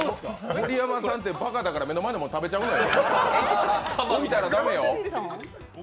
盛山さんってばかだから目の前のもの食べちゃうのよ。